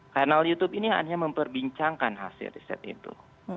kanal youtube ini hanya memperbincangkan hasil riset itu